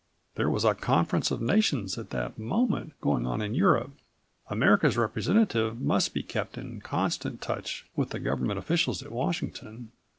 There was a conference of nations at that moment going on in Europe. America's representative must be kept in constant touch with the government officials at Washington.